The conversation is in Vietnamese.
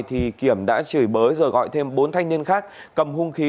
thì kiểm đã chửi bới rồi gọi thêm bốn thanh niên khác cầm hung khí